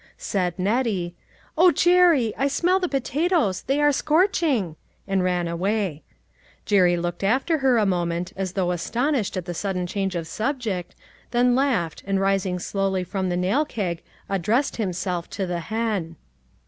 Said Nettie, "O, Jerry, I smell the potatoes; they are scorching!" and she ran away. Jerry looked after her a moment, as though astonished at the sudden change of subject, then laughed, and rising slowly from the nail keg addressed himself to the hen.